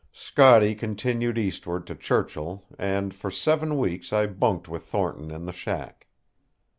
Scotty continued eastward to Churchill, and for seven weeks I bunked with Thornton in the shack.